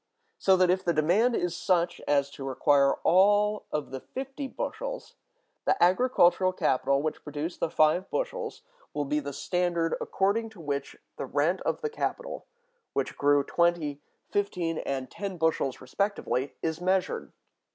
So that if the demand is such as to require all of the fifty bushels, the agricultural capital which produced the five bushels will be the standard according to which the rent of the capital, which grew twenty, fifteen, and ten bushels respectively, is measured.